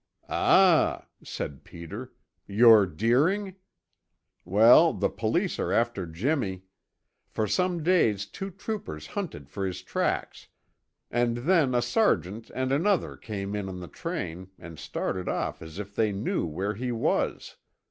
"Ah," said Peter, "you're Deering? Well, the police are after Jimmy. For some days two troopers hunted for his tracks and then a sergeant and another came in on the train and started off as if they knew where he was.